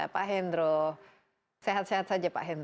pak hendro sehat sehat saja pak hendro